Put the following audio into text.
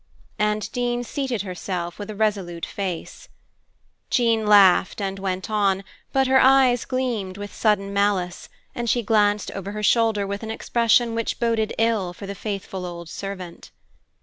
And Dean seated herself with a resolute face. Jean laughed and went on; but her eyes gleamed with sudden malice, and she glanced over her shoulder with an expression which boded ill for the faithful old servant.